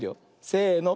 せの。